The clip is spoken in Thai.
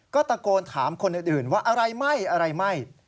ก็ตะโกนถามคนอื่นว่าอะไรไหม้